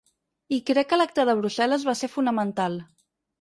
I crec que l’acte de Brussel·les va ser fonamental.